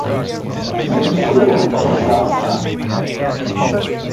‘Seems so,’ observed Sam.